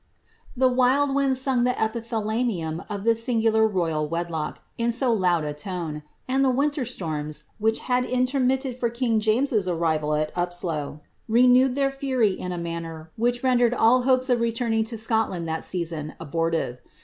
"' The wild winds sung the epithalamium of this singular ro3ral wedlock in 90 lood a tone, and the winter storms, which had intermitted for king James's arrival at Upslo, renewed their fury in a manner which rendered all hopes of return to Scotland that season abortive.